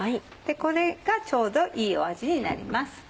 これがちょうどいい味になります。